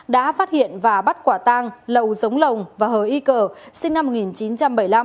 đã phát hiện và bắt quả tang lầu giống lồng và hờ y cờ sinh năm một nghìn chín trăm bảy mươi năm